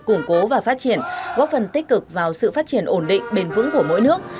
củng cố và phát triển góp phần tích cực vào sự phát triển ổn định bền vững của mỗi nước